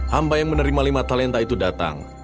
hamba yang menerima lima talenta itu datang